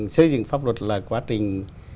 xây dựng pháp luật là quá trình